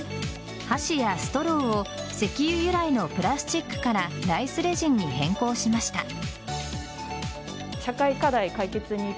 箸やストローを石油由来のプラスチックからライスレジンに変更しました。